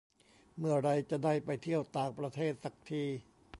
เมื่อไรจะได้ไปเที่ยวต่างประเทศสักที